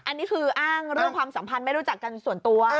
อันนี้คืออ้างเรื่องความสัมพันธ์ไม่รู้จักกันส่วนตัว